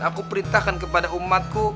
aku perintahkan kepada umatku